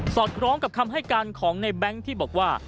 อดคล้องกับคำให้การของในแบงค์ที่บอกว่า